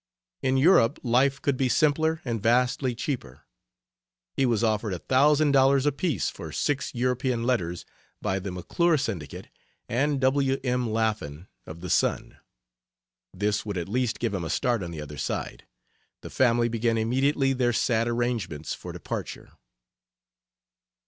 In Europe life could be simpler and vastly cheaper. He was offered a thousand dollars apiece for six European letters, by the McClure syndicate and W. M. Laffan, of the Sun. This would at least give him a start on the other side. The family began immediately their sad arrangements for departure.